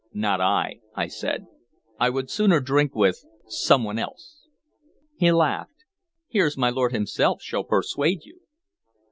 "Not I," I said. "I would sooner drink with some one else." He laughed. "Here's my lord himself shall persuade you."